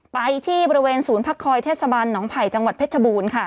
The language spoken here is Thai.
ไปที่บริเวณศูนย์พักคอยเทศบาลหนองไผ่จังหวัดเพชรบูรณ์ค่ะ